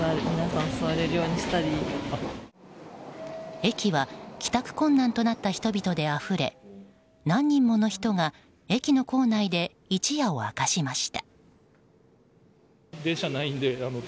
駅は帰宅困難となった人々であふれ何人もの人が駅の構内で一夜を明かしました。